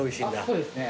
そうですね。